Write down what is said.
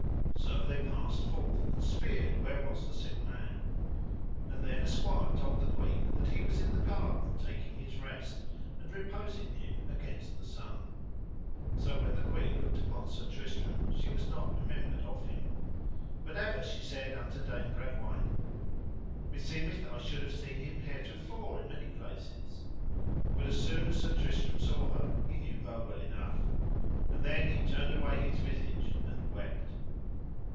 So they passed forth, and spered where was the sick man. And then a squire told the queen that he was in the garden taking his rest, and reposing him against the sun. So when the queen looked upon Sir Tristram she was not remembered of him. But ever she said unto Dame Bragwaine: Meseemeth I should have seen him heretofore in many places. But as soon as Sir Tristram saw her he knew her well enough. And then he turned away his visage and wept.